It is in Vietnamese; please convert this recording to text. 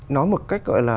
nói một cách gọi là